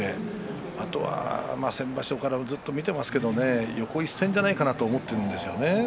あとは先場所からずっと見ていますけどね横一線じゃないかなと思っているんですよね。